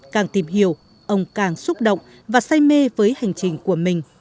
càng tìm hiểu ông càng xúc động và say mê với hành trình của mình